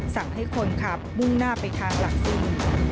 สั่งให้คนขับมุ่งหน้าไปทางหลักจริง